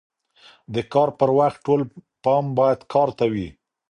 د کار پر وخت ټول پام باید کار ته وي.